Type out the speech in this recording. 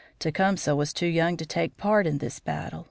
Tecumseh was too young to take part in this battle.